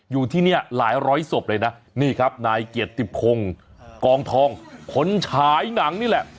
อยู่ที่นี่หลายร้อยศพเลยนะนี่ครับนายเกียรติพงศ์กองทองคนฉายหนังนี่แหละ